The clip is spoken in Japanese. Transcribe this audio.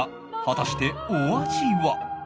果たしてお味は？